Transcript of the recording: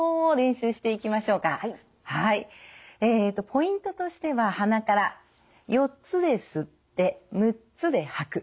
ポイントとしては鼻から４つで吸って６つで吐く。